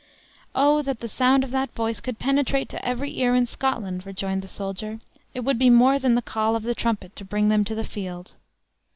"Oh that the sound of that voice could penetrate to every ear in Scotland!" rejoined the soldier; "it would be more than the call of the trumpet to bring them to the field!"